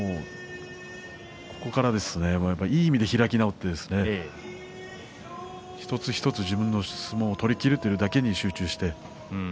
いい意味で開き直ってここから一つ一つ自分の相撲を取りきるということだけに集中して。